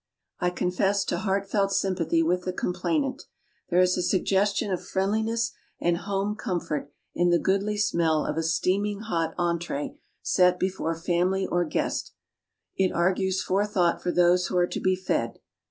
I confess to heartfelt sympathy with the complainant. There is a suggestion of friendliness and home comfort in the "goodly smell" of a steaming hot entrée set before family or guest. It argues forethought for those who are to be fed.